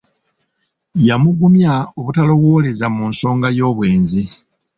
Yamugumya obutalowooleza mu nsonga y'obwenzi.